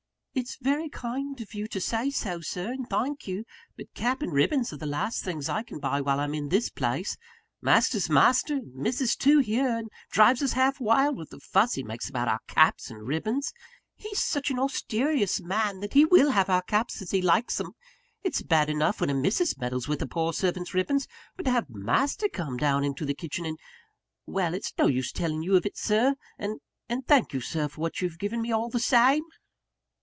"It's very kind of you to say so, Sir; and thank you. But cap and ribbons are the last things I can buy while I'm in this place. Master's master and missus too, here; and drives us half wild with the fuss he makes about our caps and ribbons. He's such an austerious man, that he will have our caps as he likes 'em. It's bad enough when a missus meddles with a poor servant's ribbons; but to have master come down into the kitchen, and Well, it's no use telling you of it, Sir and and thank you, Sir, for what you've given me, all the same!"